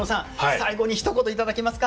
最後にひと言頂けますか？